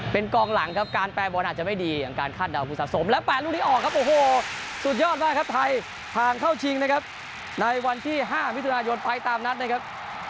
เป็นกองหลังครับการแปรบอลอาจจะไม่ดีอย่างการคาดเดาผู้สะสมและ๘ลูกนี้ออกครับโอ้โหสุดยอดมากครับไทยผ่านเข้าชิงนะครับในวันที่๕มิถุนายนไปตามนัดนะครับ